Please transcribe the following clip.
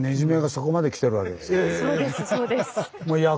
そうですそうです。